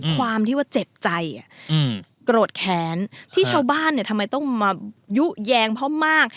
ด้วยความที่ว่าเจ็บใจอ่ะอืมโกรธแขนครับที่ชาวบ้านเนี้ยทำไมต้องมายุแยงเพราะมาก